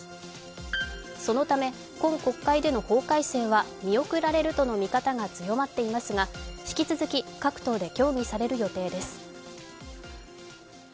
そのため、今国会での法改正は見送られるとの見方が強まっていますが引き続き、各党で協議される予定です。